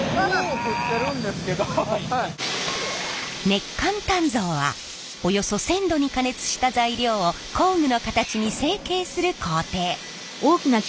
熱間鍛造はおよそ１，０００度に加熱した材料を工具の形に成形する工程。